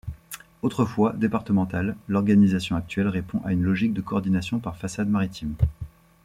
Autrefois départementale, l' organisation actuelle répond à une logique de coordination par façade maritime.